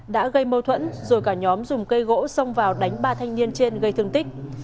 đã gây mâu thuẫn rồi cả nhóm dùng cây gỗ xông vào đánh ba thanh niên trên gây thương tích